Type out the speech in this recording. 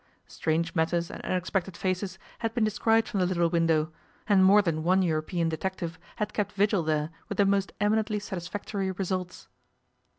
Strange matters and unexpected faces had been descried from the little window, and more than one European detective had kept vigil there with the most eminently satisfactory results.